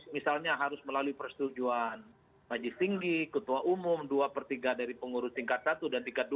misalnya harus melalui persetujuan majelis tinggi ketua umum dua per tiga dari pengurus tingkat satu dan tingkat dua